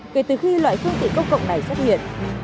kể từ khi loại phương tiện công cộng này xuất hiện